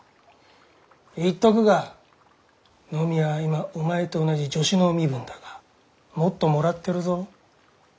言っとくが野宮は今お前と同じ助手の身分だがもっともらってるぞ。